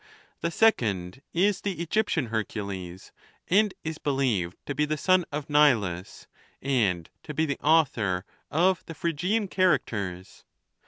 The second is the Egyptian Hercules, and is believed to be the son of Nilus, and to be the author of the Phrygian characters.